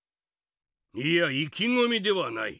いや意気込みではない。